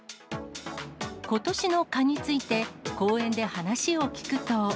ことしの蚊について、公園で話を聞くと。